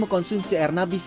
mengkonsumsi air nabis